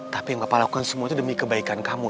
tapi yang bapak lakukan semua itu demi kebaikan kamu